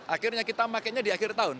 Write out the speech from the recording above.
akhirnya kita pakainya di akhir tahun